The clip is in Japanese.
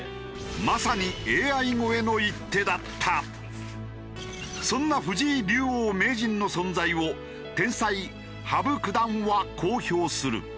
まさにそんな藤井竜王・名人の存在を天才羽生九段はこう評する。